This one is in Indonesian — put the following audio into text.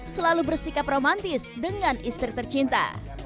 selalu bersikap romantis dengan istri tercinta